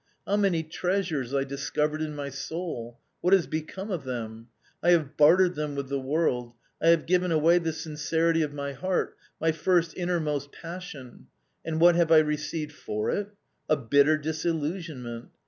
How many treasures I discovered in my soul ; what has become of them ? I have bartered them with the world, I have given away the sincerity of my heart, my first innermost passion ; and what have I received for it ? a bitter disillusionment.